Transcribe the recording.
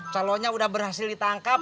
calonnya udah berhasil ditangkap